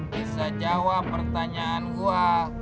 bisa jawab pertanyaan gua